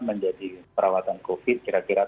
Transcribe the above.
menjadi perawatan covid kira kira dua ratus